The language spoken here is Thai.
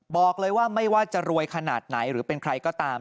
บอกเลยว่าไม่ว่าจะรวยขนาดไหนหรือเป็นใครก็ตาม